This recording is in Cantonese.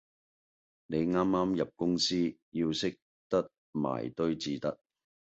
你啱啱入公司，要識得埋堆至得